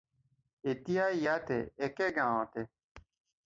এতিয়া ইয়াতে, একে গাঁৱতে।